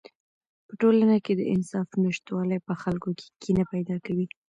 په ټولنه کې د انصاف نشتوالی په خلکو کې کینه پیدا کوي.